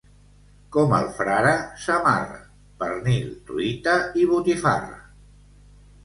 Com el frare Samarra: pernil, truita i botifarra.